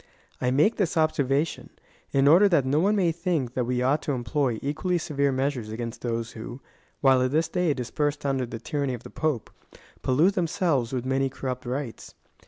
I make this observation, in order that no one may think that we ought to employ equally severe measures against those who, while at this day dis persed under the tyranny of the Pope, pollute themselves with many corruj)t rites.